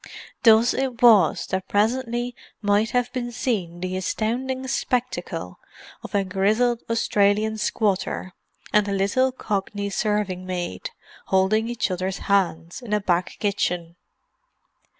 "Thus it was that presently might have been seen the astounding spectacle of a grizzled Australian squatter and a little Cockney serving maid holding each other's hands in a back kitchen.